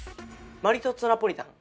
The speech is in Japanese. マリトッツォナポリタン。